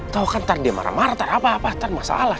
tau kan nanti dia marah marah nanti apa apa nanti masalah